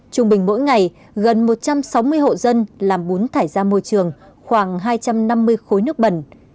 trung bình mỗi ngày gần một trăm sáu mươi hộ dân làm bún thải ra môi trường khoảng hai trăm năm mươi khối nước bẩn